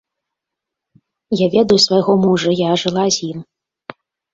Я ведаю свайго мужа, я жыла з ім.